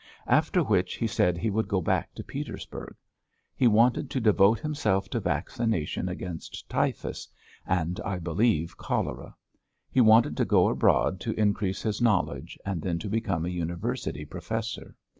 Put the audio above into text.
After which he said he would go back to Petersburg. He wanted to devote himself to vaccination against typhus, and, I believe, cholera; he wanted to go abroad to increase his knowledge and then to become a University professor.